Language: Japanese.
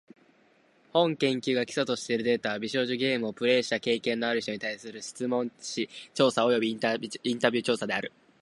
本研究が基礎としているデータは、美少女ゲームをプレイした経験のある人に対する質問紙調査およびインタビュー調査である。